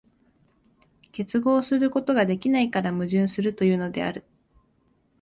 結合することができないから矛盾するというのである。